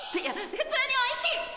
普通においしい！